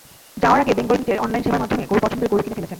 যাওয়ার আগে বেঙ্গল মিটের অনলাইন সেবার মাধ্যমে পছন্দের গরু কিনে ফেলেছেন।